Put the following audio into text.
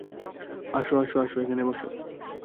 আসো, আসো, আসো, এখানে বসো।